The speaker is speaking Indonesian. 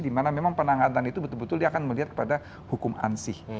dimana memang penangatan itu betul betul dia akan melihat kepada hukum ansih